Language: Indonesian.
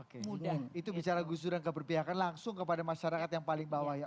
kemudian itu bicara gus dur yang keberpihakan langsung kepada masyarakat yang paling bawah ya